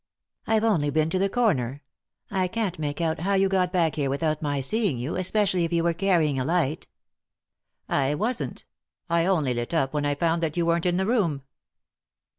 "I've only been to the comer. I can't make out how you got back here without my seeing you, especially if you were carrying a light," "I wasn't I only lit up when I lound that you weren't in the room."